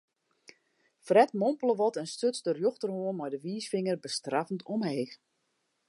Fred mompele wat en stuts de rjochterhân mei de wiisfinger bestraffend omheech.